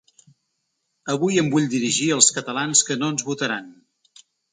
Avui em vull dirigir als catalans que no ens votaran.